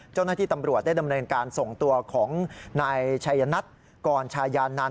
เจ้าหน้าที่ตำรวจได้ดำเนินการส่งตัวของนายชัยนัทกรชายานันต